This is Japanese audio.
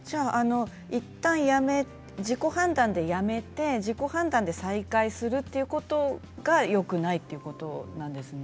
いったん自己判断でやめて自己判断で再開するということがよくないということなんですね。